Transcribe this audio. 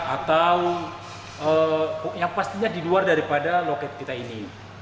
atau yang pastinya di luar daripada loket kita ini